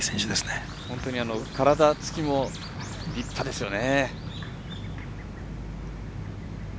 体つきも立派ですよね。